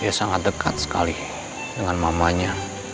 dia sangat dekat sekali dengan mamanya